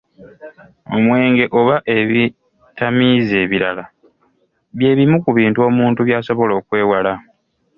Omwenge oba ebitamiiza ebirala bye bimu ku bintu omuntu by’asobola okwewala.